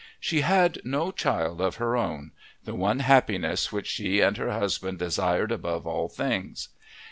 She had no child of her own the one happiness which she and her husband desired above all things.